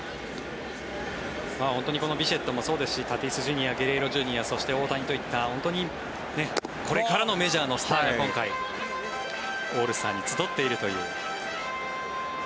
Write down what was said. ビシェットもそうですしタティスＪｒ．ゲレーロＪｒ．そして大谷といった本当にこれからのメジャーのスターが今回、オールスターに集っているという。